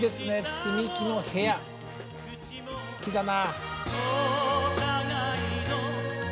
「積木の部屋」好きだな。